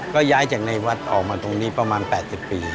ก็ย้ายจากในวัดออกมาตรงนี้ประมาณ๘๐ปี